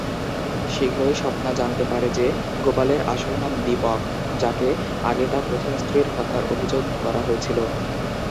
শীঘ্রই, স্বপ্না জানতে পারে যে গোপালের আসল নাম দীপক, যাকে আগে তার প্রথম স্ত্রীকে হত্যার অভিযোগ করা হয়েছিল।